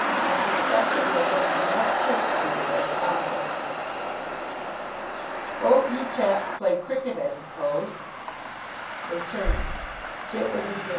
I suspect that we are going to be much persecuted by scoundrels." "Both you chaps play cricket, I suppose?" They turned. It was Adair.